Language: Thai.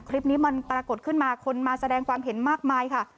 คลิปนี้มันปรากฏขึ้นมาคนมาแสดงความเห็นมากมายค่ะ